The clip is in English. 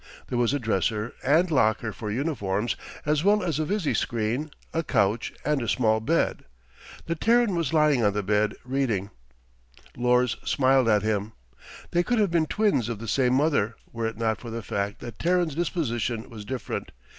There was a dresser and locker for uniforms, as well as a visi screen, a couch and a small bed. The Terran was lying on the bed, reading. Lors smiled at him. They could have been twins of the same mother, were it not for the fact that Terran's disposition was different.